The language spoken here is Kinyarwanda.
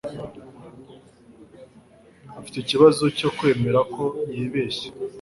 afite ikibazo cyo kwemera ko yibeshye.